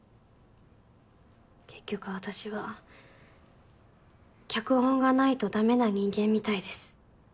結局私は脚本がないとダメな人間みたいです。